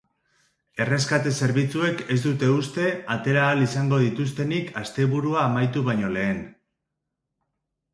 Erreskate zerbitzuek ez dute uste atera ahal izango dituztenik asteburua amaitu baino lehen.